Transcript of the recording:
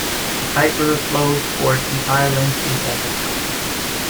The Kyte River flows for its entire length in Ogle County.